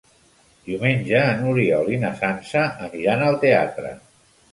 Diumenge n'Oriol i na Sança aniran al teatre.